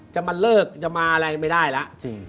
จะมาเลิกจะมาอะไรไม่ได้แล้ว